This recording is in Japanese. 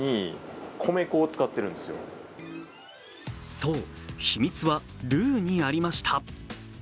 そう、秘密はルーにありました。